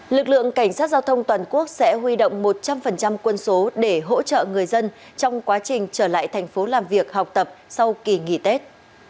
lực lượng cảnh sát giao thông toàn quốc sẽ huy động một trăm linh quân số để hỗ trợ người dân trong quá trình trở lại thành phố làm việc học tập sau kỳ nghỉ tết